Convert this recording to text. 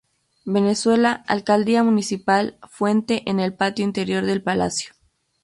Venezuela Alcaldía Municipal Fuente en el patio interior del palacio.